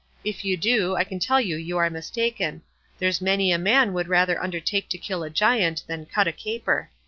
If you do, I can tell you you are mistaken; there's many a man would rather undertake to kill a giant than cut a caper.